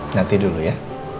nanti dulu ya